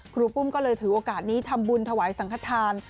รูปุ้มก็เลยถือโอกาสนี้ทำบุญถวายสังขทาน